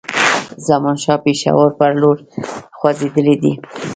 زمانشاه پېښور پر لور خوځېدلی دی.